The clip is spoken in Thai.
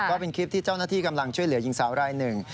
ก็เป็นคลิปที่เจ้าหน้าที่กำลังช่วยเหลือหญิงสาวรายหนึ่ง